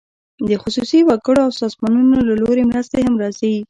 د خصوصي وګړو او سازمانونو له لوري مرستې هم راځي.